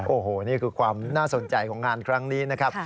โอ้โหนี่คือความน่าสนใจของงานครั้งนี้นะครับ